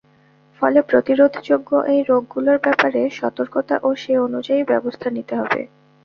ফলে প্রতিরোধযোগ্য এই রোগগুলোর ব্যাপারে সতর্কতা ও সে অনুযায়ী ব্যবস্থা নিতে হবে।